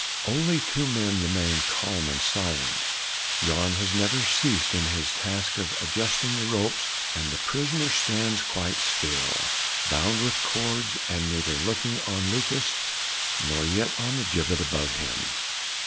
Only two men remain calm and silent, Jan has never ceased in his task of adjusting the ropes, and the prisoner stands quite still, bound with cords, and neither looking on Lucas nor yet on the gibbet above him.